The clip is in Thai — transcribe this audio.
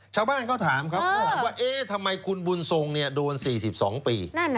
ชาวตั้งคนถามว่าทำไมคุณบุญทรงโดน๔๒ปี